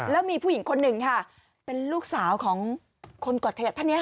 แล้วมีผู้หญิงคนหนึ่งค่ะเป็นลูกสาวของคนก่อเหตุท่านนี้